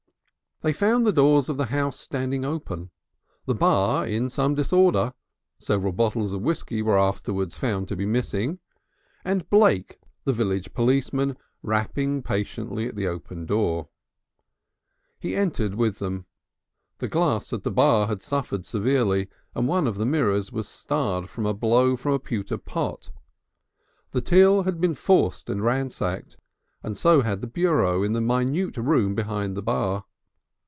They found the doors of the house standing open, the bar in some disorder several bottles of whisky were afterwards found to be missing and Blake, the village policeman, rapping patiently at the open door. He entered with them. The glass in the bar had suffered severely, and one of the mirrors was starred from a blow from a pewter pot. The till had been forced and ransacked, and so had the bureau in the minute room behind the bar.